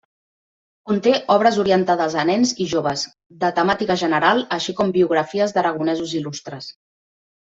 Conté obres orientades a nens i joves, de temàtica general, així com biografies d'aragonesos il·lustres.